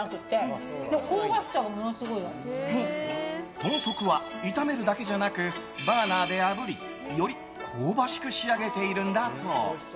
豚足は炒めるだけじゃなくバーナーであぶりより香ばしく仕上げているんだそう。